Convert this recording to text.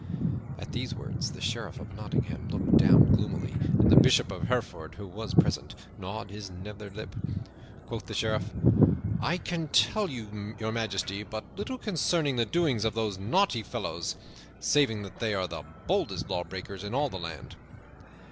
At these words the Sheriff of Nottingham looked down gloomily, and the Bishop of Hereford, who was present, gnawed his nether lip. Quoth the Sheriff, "I can tell Your Majesty but little concerning the doings of those naughty fellows, saving that they are the boldest lawbreakers in all the land."